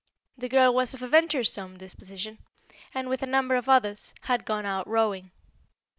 The girl was of a venturesome disposition, and, with a number of others, had gone out rowing.